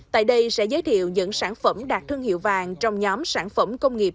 tại đây sẽ giới thiệu những sản phẩm đạt thương hiệu vàng trong nhóm sản phẩm công nghiệp